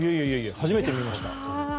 初めて見ました。